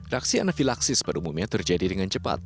reaksi anafilaksis pada umumnya terjadi dengan cepat